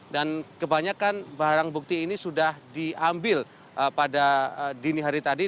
dan kebanyakan barang bukti ini sudah diambil pada dini hari tadi